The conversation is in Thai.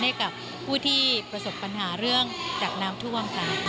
ให้กับผู้ที่ประสบปัญหาเรื่องจากน้ำท่วมค่ะ